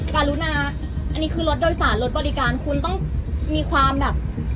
การุณาอันนี้คือรถโดยสารรถบริการคุณต้องมีความแบบ